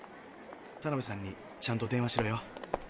タナベさんにちゃんと電話しろよ。